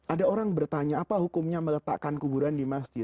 ada orang bertanya apa hukumnya meletakkan kuburan di masjid